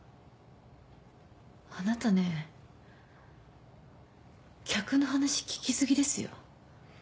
あなたね客の話聞き過ぎですよ。